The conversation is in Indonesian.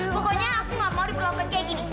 pokoknya aku gak mau diperlakukan kayak gini